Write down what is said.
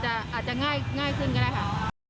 อาจจะง่ายขึ้นก็ได้ค่ะ